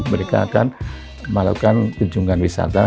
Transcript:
mereka akan melakukan kunjungan wisata